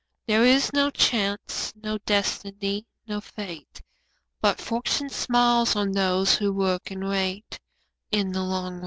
There is no Chance, no Destiny, no Fate, But Fortune smiles on those who work and wait, In the long run.